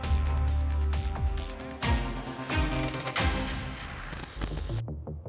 kau mau berbicara